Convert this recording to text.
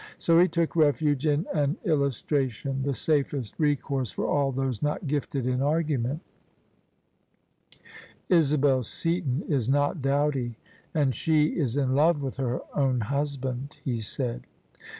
So he took refuge in an illus tration: the safest resource for all those not gifted in argument. OF ISABEL CARNABY " Isabd Seaton is not dowdy, and she is in love with her own husband," he said.